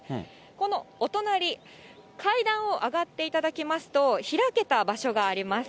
このお隣、階段を上がっていただきますと、開けた場所があります。